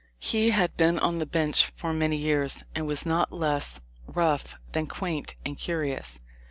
He had been on the bench for many years and was not less rough than quaint and curious.